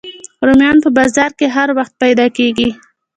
رومیان په بازار کې هر وخت پیدا کېږي